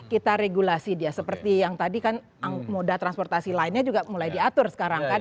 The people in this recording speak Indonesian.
kita regulasi dia seperti yang tadi kan moda transportasi lainnya juga mulai diatur sekarang kan